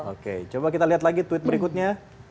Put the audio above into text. oke coba kita lihat lagi tweet berikutnya